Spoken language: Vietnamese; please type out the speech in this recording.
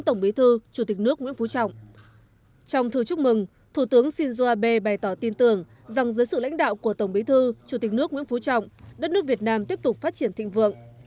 thủ tướng shinzo abe bày tỏ tin tưởng rằng dưới sự lãnh đạo của tổng bí thư chủ tịch nước nguyễn phú trọng đất nước việt nam tiếp tục phát triển thịnh vượng